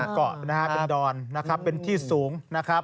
เกาะนะฮะเป็นดอนนะครับเป็นที่สูงนะครับ